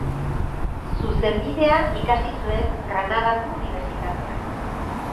Zuzenbidea ikasi zuen Granadako Unibertsitatean.